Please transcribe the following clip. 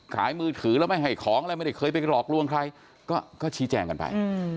มือถือแล้วไม่ให้ของอะไรไม่ได้เคยไปหลอกลวงใครก็ชี้แจงกันไป